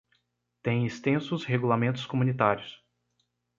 Tem extensos regulamentos comunitários.